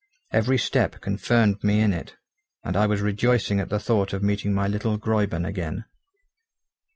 Every step confirmed me in it, and I was rejoicing at the thought of meeting my little Gräuben again.